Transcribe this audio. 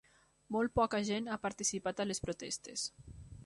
Molt poca gent ha participat en les protestes.